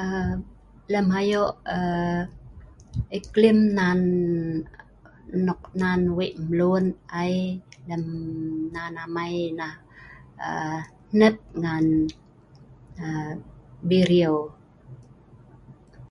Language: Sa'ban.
Aaa lem ayo' aaa iklim ñan nok nan wei' mlun ai, lem nan amai nah aa hnep ngan biriu.